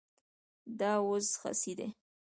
دا وز خسي دی